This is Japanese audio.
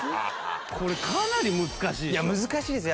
これかなり難しいでしょ？